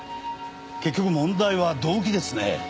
結局問題は動機ですね。